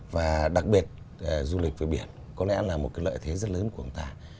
và đặc biệt du lịch với biển có lẽ là một cái lợi thế rất lớn của người ta